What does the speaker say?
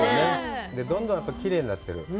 どんどんきれいになってる。